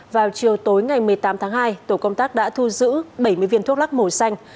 vào chiều tối ngày một mươi tám tháng hai tổ công tác đã thu giữ bảy mươi viên thuốc lắc màu xanh